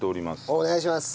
お願いします！